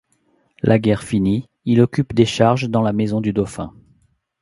La guerre finie, il occupe des charges dans la maison du dauphin.